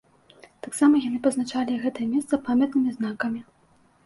Таксама яны пазначалі гэтае месца памятнымі знакамі.